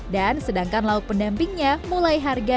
dan sedangkan lauk pendampingnya mulai harganya